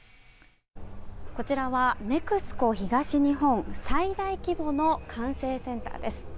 こちらはＮＥＸＣＯ東日本最大規模の管制センターです。